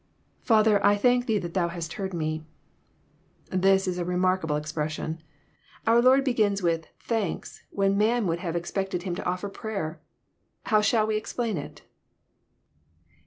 \_Father, I thank thee that thou hast heard me."] This is a re markable expression. Our Lord begins with thanks,*' when man would have expected Him to offer prayer. How shall we explain it?